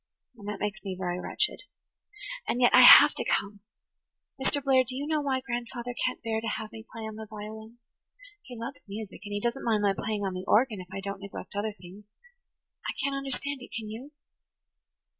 And that makes me very wretched. And yet I have to come. Mr. Blair, do you know why grandfather can't bear to have me play on the violin? He loves music, and he doesn't mind my playing on the organ, if I don't neglect other things. I can't understand it, can you?"